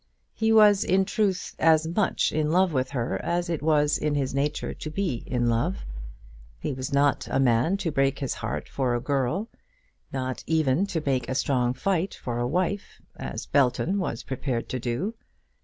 He was, in truth, as much in love with her as it was in his nature to be in love. He was not a man to break his heart for a girl; nor even to make a strong fight for a wife, as Belton was prepared to do.